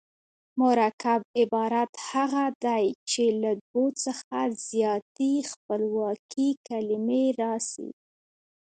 مرکب عبارت هغه دﺉ، چي له دوو څخه زیاتي خپلواکي کلیمې راسي.